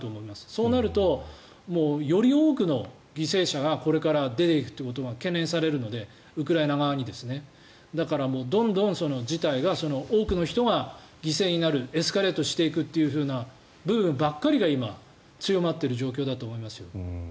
そうなるとより多くの犠牲者がウクライナ側にこれから出ていくことが懸念されるのでだから、どんどん事態が多くの人が犠牲になるエスカレートしていく部分ばっかりが今、強まっている状況だと思いますよ。